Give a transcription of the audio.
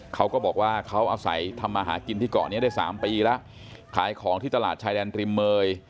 เขาก็บอกว่าเขาอาศัยทำมาหากินที่เกาะนี้ได้๓ปีแล้วขายของที่ตลาดชายแดนริมเมย